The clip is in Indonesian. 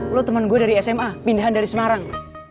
lo teman gue dari sma pindahan dari semarang